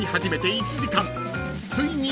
［ついに］